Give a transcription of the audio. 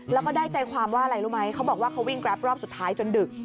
แล้วก็ได้ใจความว่าอะไรรู้ไหมเขาบอกว่าเขาวิ่งแกรปรอบสุดท้ายจนดึก